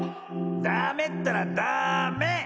ダメったらダメ！